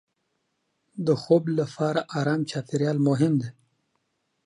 د خوب لپاره ارام چاپېریال مهم دی.